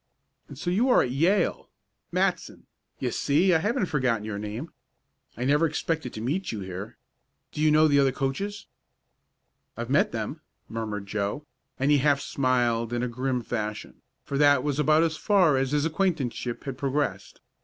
And so you are at Yale Matson you see I haven't forgotten your name. I never expected to meet you here. Do you know the other coaches?" "I've met them," murmured Joe, and he half smiled in a grim fashion, for that was about as far as his acquaintanceship had progressed.